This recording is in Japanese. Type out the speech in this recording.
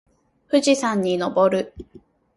富士山に登る